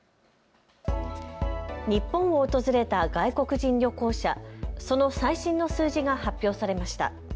日本を訪れた外国人旅行者、その最新の数字が発表されました。